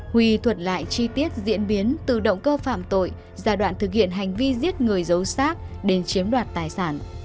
huy thuật lại chi tiết diễn biến từ động cơ phạm tội giai đoạn thực hiện hành vi giết người giấu sát đến chiếm đoạt tài sản